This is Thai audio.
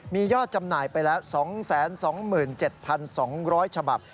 มียอดจำหน่ายไปแล้ว๒๒๗๒๐๐ฉบับ